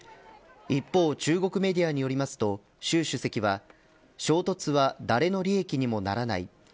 一方、中国メディアによりますと習主席は衝突は誰の利益にもならない。